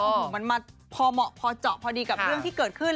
โอ้โหมันมาพอเหมาะพอเจาะพอดีกับเรื่องที่เกิดขึ้น